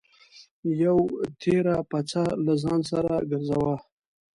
یوه تېره پڅه له ځان سره ګرځوه.